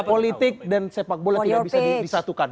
politik dan sepak bola tidak bisa disatukan